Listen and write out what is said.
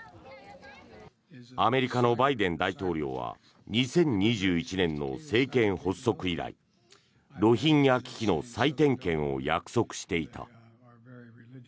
アメリカのバイデン大統領は２０２１年の政権発足以来ロヒンギャ危機の再点検を約束していた。